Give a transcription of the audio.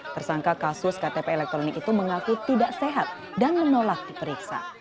tersangka kasus ktp elektronik itu mengaku tidak sehat dan menolak diperiksa